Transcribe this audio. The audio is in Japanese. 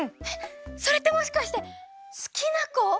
えっそれってもしかしてすきなこ！？